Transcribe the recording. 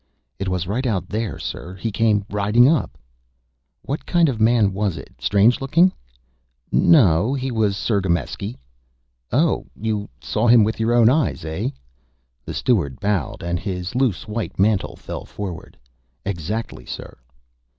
"It was right out there, sir. He came riding up " "What kind of a man was it? Strange looking?" "No. He was Cirgameski." "Oh. You saw him with your own eyes, eh?" The steward bowed, and his loose white mantle fell forward. "Exactly, sir."